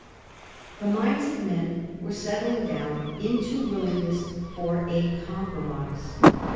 The minds of men were settling down iuto willingness for a compromise.